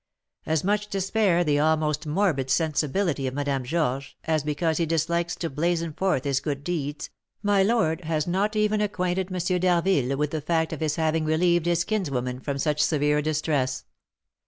As much to spare the almost morbid sensibility of Madame Georges, as because he dislikes to blazon forth his good deeds, my lord has not even acquainted M. d'Harville with the fact of his having relieved his kinswoman from such severe distress."